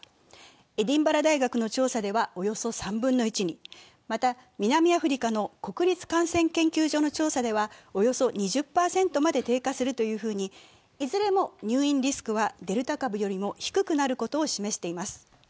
エディンバラ大学の調査ではおよそ３分の１にまた、南アフリカの国立感染研究所の調査ではおよそ２０％まで低下するというふうにいずれも入院リスクはデルタ株よりも低くなることを示しています。